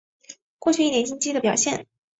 过去一年经济的表现